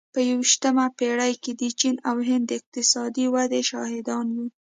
په یوویشتمه پېړۍ کې د چین او هند د اقتصادي ودې شاهدان یو.